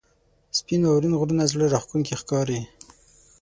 • سپین واورین غرونه زړه راښکونکي ښکاري.